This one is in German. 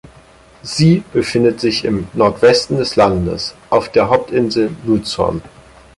Sie befindet sich im Nordwesten des Landes auf der Hauptinsel Luzon.